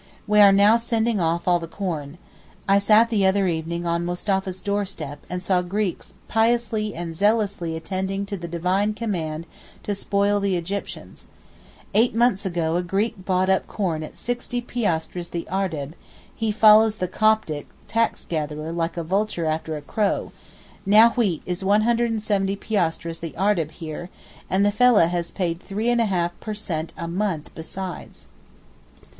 We are now sending off all the corn. I sat the other evening on Mustapha's doorstep and saw the Greeks piously and zealously attending to the divine command to spoil the Egyptians. Eight months ago a Greek bought up corn at 60 piastres the ardeb (he follows the Coptic tax gatherer like a vulture after a crow), now wheat is at 170 piastres the ardeb here, and the fellah has paid 3½ per cent. a month besides.